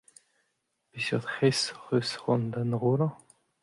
Peseurt restr hocʼh eus cʼhoant da enrollañ ?